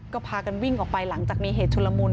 ก็พากันวิ่งออกไปหลังจากมีเหตุชุลมุน